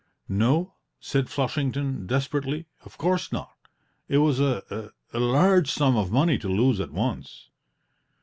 "No," said Flushington desperately, "of course not; it was a a large sum of money to lose at once."